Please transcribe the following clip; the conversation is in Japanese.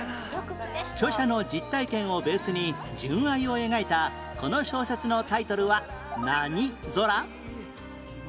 著者の実体験をベースに純愛を描いたこの小説のタイトルは何空？